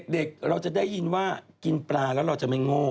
เด็กเราจะได้ยินว่ากินปลาแล้วเราจะไม่โง่